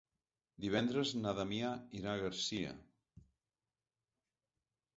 Divendres na Damià irà a Garcia.